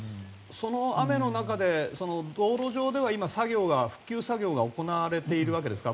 その雨の中で、道路上では今、復旧作業が行われているわけですか？